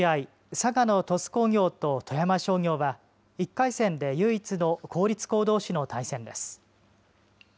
佐賀の鳥栖工業と富山商業は１回戦で唯一の公立校どうしの対戦です。